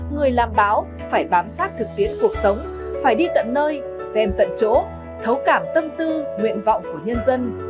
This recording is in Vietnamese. người làm báo phải bám sát thực tiễn cuộc sống phải đi tận nơi xem tận chỗ thấu cảm tâm tư nguyện vọng của nhân dân